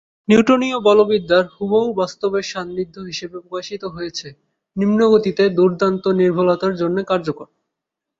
নিউটনীয় বলবিজ্ঞান হুবহু বাস্তবের সান্নিধ্য হিসাবে প্রকাশিত হয়েছে, নিম্ন গতিতে দুর্দান্ত নির্ভুলতার জন্য কার্যকর।